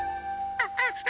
ハハハハ。